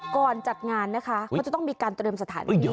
จัดงานนะคะเขาจะต้องมีการเตรียมสถานที่